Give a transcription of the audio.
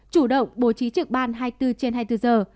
chủ động bố trí trực ban hai mươi bốn trên hai mươi bốn giờ